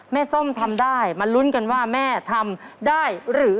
แม่ซ่อมทำได้